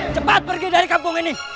cepat pergi dari kampung ini